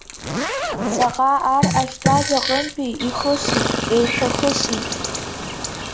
Ҵаҟа ар ахьтәаз аҟынтәи ихысит, еиҭахысит.